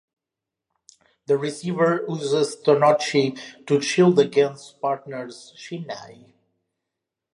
The receiver uses "tenouchi" to shield against the partner's "shinai".